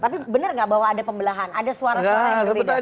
tapi benar gak bahwa ada pembelahan